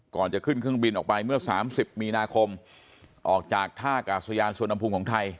ก่อนจะขึ้นเครื่องบินออกไปเมื่อ๓๐มีนาคมออกจากท่ากาศยานสวนภูมิของไทย